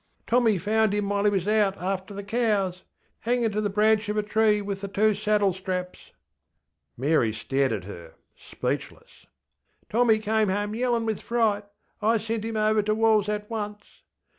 Tommy found him while he was out after the cows. HanginŌĆÖ to the branch of a tree with the two saddle straps. ŌĆÖ Mary stared at her, speechless. ŌĆśTommy came home yellinŌĆÖ with fright. I sent him over to WallŌĆÖs at once.